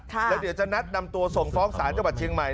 แล้วเดี๋ยวจะนัดนำตัวส่งฟ้องศาลจังหวัดเชียงใหม่